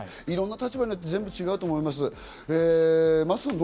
いろんな立場で違うと思います。